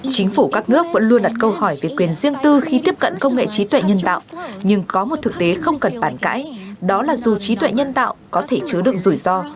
chính phủ các nước vẫn luôn đặt câu hỏi về quyền riêng tư khi tiếp cận công nghệ trí tuệ nhân tạo nhưng có một thực tế không cần bản cãi đó là dù trí tuệ nhân tạo có thể chứa được rủi ro